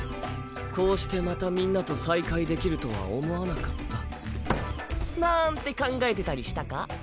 こうしてまたみんなと再会できるとは思わなかった」。なんて考えてたりしたか？